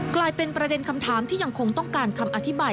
กลายเป็นประเด็นคำถามที่ยังคงต้องการคำอธิบาย